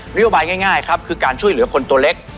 โยบายง่ายครับคือการช่วยเหลือคนตัวเล็ก